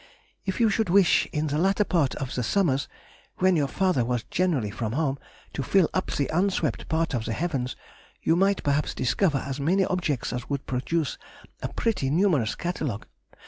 If you should wish in the latter part of the summers (when your father was generally from home) to fill up the unswept part of the heavens, you might perhaps discover as many objects as would produce a pretty numerous catalogue.